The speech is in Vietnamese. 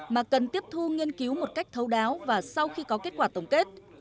mà cần tiếp thu nghiên cứu một cách thấu đáo và sau khi có kết quả tổng kết